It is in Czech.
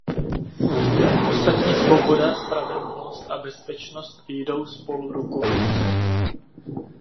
Ostatně svoboda, spravedlnost a bezpečnost jdou spolu ruku v ruce.